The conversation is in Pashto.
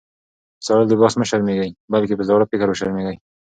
په زاړه لباس مه شرمېږئ! بلکي په زاړه فکر وشرمېږئ.